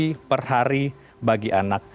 hari per hari bagi anak